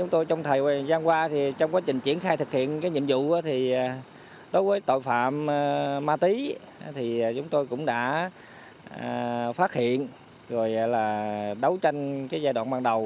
trong quá trình triển khai thực hiện nhiệm vụ đối với tội phạm ma tý chúng tôi cũng đã phát hiện đấu tranh giai đoạn ban đầu